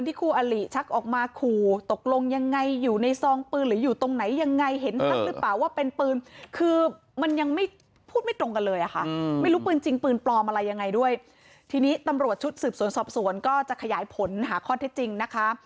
คู่อลิชักออกมาขู่ตกลงยังไงอยู่ในซองปืนหรืออยู่ตรงไหนยังไงเห็นชัดหรือเปล่าว่าเป็นปืนคือมันยังไม่พูดไม่ตรงกันเลยอะค่ะไม่รู้ปืนจริงปืนปลอมอะไรยังไงด้วยทีนี้ตำรวจชุดสืบสวนสอบสวนก็จะขยายผลหาข้อเท็จจริงนะคะ